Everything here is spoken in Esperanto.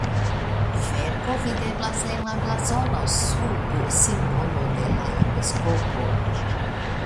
Kverko videblas en la blazono sub simbolo de la episkopo.